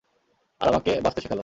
আর আমাকে বাঁচতে শেখালো।